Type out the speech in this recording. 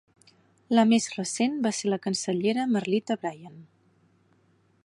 La més recent va ser la cancellera Merlita Bryan.